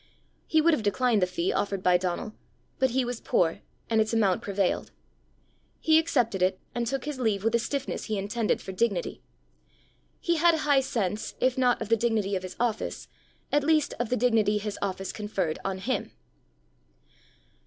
He would have declined the fee offered by Donal; but he was poor, and its amount prevailed: he accepted it, and took his leave with a stiffness he intended for dignity: he had a high sense, if not of the dignity of his office, at least of the dignity his office conferred on him.